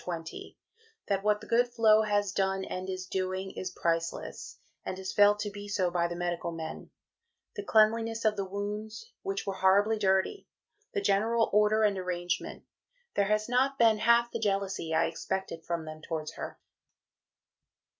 20), "that what the good Flo has done and is doing is priceless, and is felt to be so by the medical men the cleanliness of the wounds, which were horribly dirty, the general order and arrangement. There has not been half the jealousy I expected from them towards her."